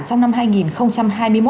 trong năm hai nghìn hai mươi một